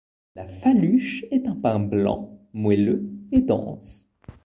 La faluche est un pain blanc, moelleux et dense.